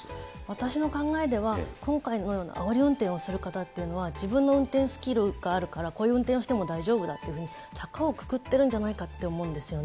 私の考えでは、今回のようなあおり運転をする方っていうのは、自分の運転スキルがあるから、こういう運転をしても大丈夫だってたかをくくってるんじゃないかと思うんですね。